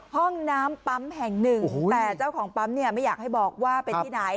ห้องน้ำปั๊มแห่งหนึ่งแต่เจ้าของปั๊มเนี่ยไม่อยากให้บอกว่าเป็นที่ไหน